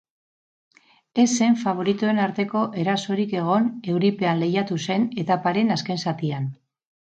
Ez zen faboritoen arteko erasorik egon euripean lehiatu zen etaparen azken zatian.